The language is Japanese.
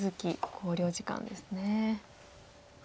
考慮時間ですね。